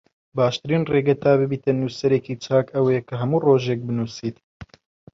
باشترین ڕێگە تا ببیتە نووسەرێکی چاک ئەوەیە کە هەموو ڕۆژێک بنووسیت